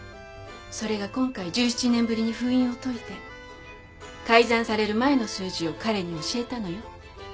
それが今回１７年ぶりに封印を解いて改ざんされる前の数字を彼に教えたのよ。